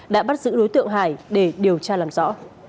đã bắt giữ đối tượng hải để điều tra làm rõ